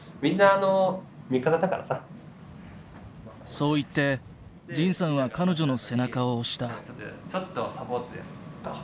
そう言って仁さんは彼女の背中を押した。